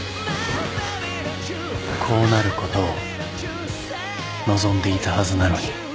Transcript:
こうなることを望んでいたはずなのに